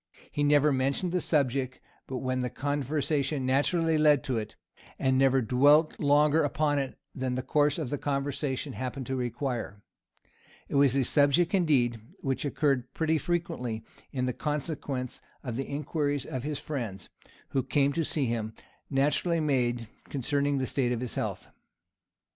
He never mentioned the subject but when the conversation naturally led to it, and never dwelt longer upon it than the course of the conversation happened to require; it was a subject indeed which occurred pretty frequently, in consequence of the inquiries which his friends, who came to see him, naturally made concerning the state of his health.